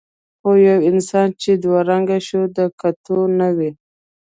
خو یو انسان چې دوه رنګه شو د کتو نه وي.